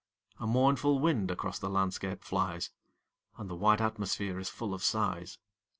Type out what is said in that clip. A mournful wind across the landscape flies, And the wide atmosphere is full of sighs.